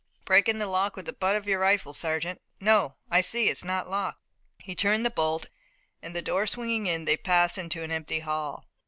Break in the lock with the butt of your rifle, sergeant! No, I see it's not locked!" He turned the bolt, and, the door swinging in, they passed into an empty hall.